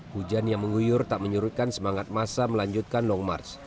hujan yang mengguyur tak menyurutkan semangat masa melanjutkan long march